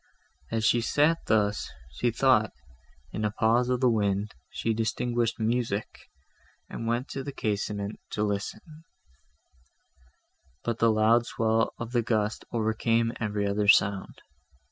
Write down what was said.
As she sat thus, she thought, in a pause of the wind, she distinguished music, and went to the casement to listen, but the loud swell of the gust overcame every other sound.